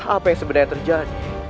apa yang sebenarnya terjadi